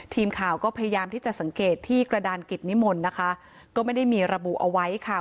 ทีมข่าวก็พยายามที่จะสังเกตที่กระดานกิจนิมนต์นะคะก็ไม่ได้มีระบุเอาไว้ค่ะ